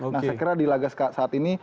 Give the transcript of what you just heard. nah saya kira di laga saat ini